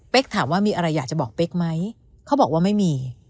ถามว่ามีอะไรอยากจะบอกเป๊กไหมเขาบอกว่าไม่มี